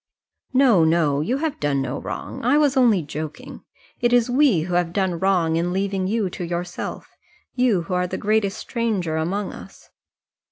"No no; you have done no wrong. I was only joking. It is we who have done wrong in leaving you to yourself you who are the greatest stranger among us."